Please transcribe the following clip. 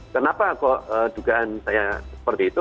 kenapa kok dugaan saya seperti itu